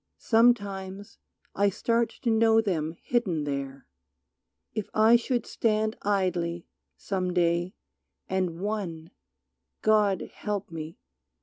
Sometimes I start To know them hidden there. If I should stand Idly, some day, and one, God help me!